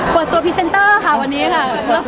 เปิดตัวพรีเซนเตอร์ค่ะวันนี้ค่ะ